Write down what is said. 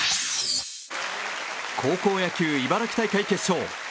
高校野球茨城大会決勝。